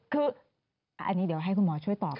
คืออันนี้ให้คุณหมอช่วยตอบ